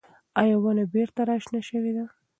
ایا ونه بېرته راشنه شوې ده؟